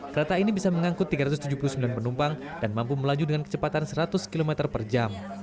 kereta ini bisa mengangkut tiga ratus tujuh puluh sembilan penumpang dan mampu melaju dengan kecepatan seratus km per jam